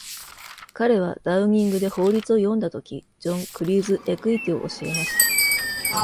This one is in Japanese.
彼はダウニングで法律を読んだとき、ジョン・クリーズ・エクイティを教えました。